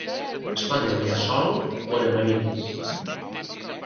Es pot menjar sol o en amanides.